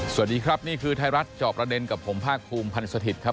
สวัสดีครับนี่คือไทยรัฐจอบประเด็นกับผมภาคภูมิพันธ์สถิตย์ครับ